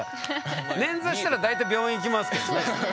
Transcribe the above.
捻挫したら大体病院行きますけどね。